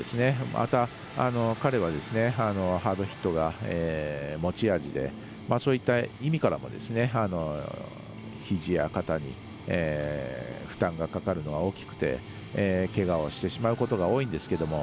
また、彼はハードヒットが持ち味で、そういった意味からもひじや肩に負担がかかるのは大きくてけがをしてしまうことが多いんですけど。